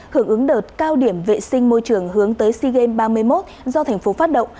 hưởng ứng đợt cao điểm vệ sinh môi trường hướng tới sea games ba mươi một do thành phố phát động